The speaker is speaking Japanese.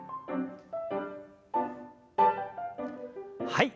はい。